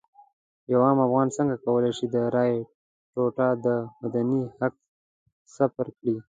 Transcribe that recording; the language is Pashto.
یو عام افغان څنګه کولی شي د رایې ټوټه د مدني حق سپر کړي.